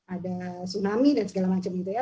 ada tsunami dan segala macam itu ya